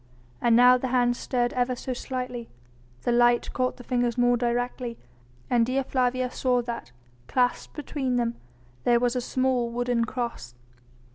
And now the hands stirred ever so slightly, the light caught the fingers more directly, and Dea Flavia saw that clasped between them there was a small wooden cross.